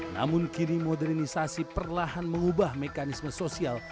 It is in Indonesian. namun kini modernisasi perlahan mengubah mekanisme sosial